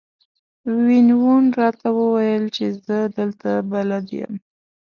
وین وون راته وویل چې زه دلته بلد یم.